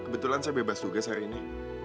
kebetulan saya bebas tugas hari ini